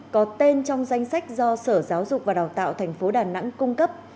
có tên trong danh sách do sở giáo dục và đào tạo tp đà nẵng cung cấp